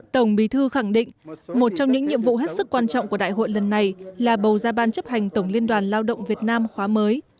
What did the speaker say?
tổng bí thư khẳng định một trong những nhiệm vụ hết sức quan trọng của đại hội lần này là bầu ra ban chấp hành tổng liên đoàn lao động việt nam khóa mới